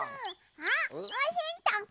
あっおせんたく？